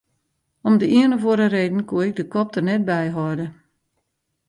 Om de ien of oare reden koe ik de kop der net by hâlde.